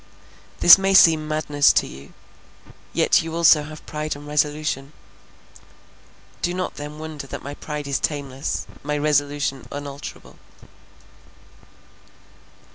This may seem madness to you, yet you also have pride and resolution; do not then wonder that my pride is tameless, my resolution unalterable."